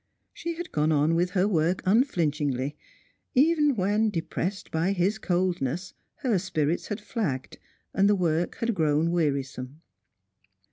She had gone on with her work unflinchingly, even when, depressed by Ms coldness, her spirits had flagged and the work had grown wearisome.